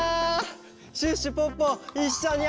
シュッシュポッポいっしょにあそぼう！